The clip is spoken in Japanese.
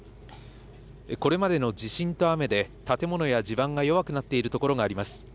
これまでの地震と雨で、建物や地盤が弱くなっている所があります。